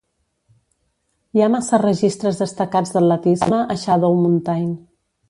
Hi ha massa registres destacats d'atletisme a Shadow Mountain.